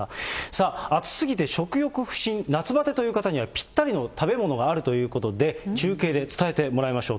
さあ、暑すぎて食欲不振、夏ばてという方にはぴったりの食べ物があるということで、中継で伝えてもらいましょう。